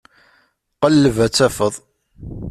Qelleb ad tafeḍ.